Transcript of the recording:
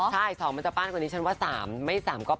ใช่๒มันจะปั้นกว่านี้ฉันว่า๓ไม่๓ก็๘